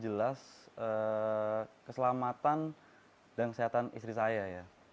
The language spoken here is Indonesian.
salah satu kekhawatiran sih jelas keselamatan dan kesehatan istri saya ya